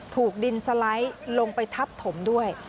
ถูกดินสไลด์ลงไปทับถมด้วย